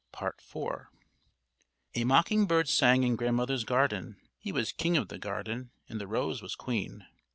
PART IV. A mocking bird sang in Grandmother's garden. He was king of the garden, and the rose was queen.